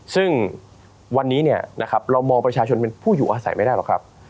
ซึ่งวันนี้เรามองประชาชนเป็นผู้อยู่อาศัยไม่ได้หรอกครับ